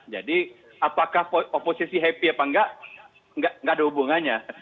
jadi apakah oposisi happy apa enggak enggak ada hubungannya